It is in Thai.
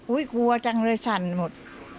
อุ้ยกลัวจังเลยฉันหมด